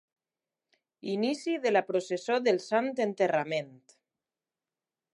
Inici de la Processó del Sant Enterrament.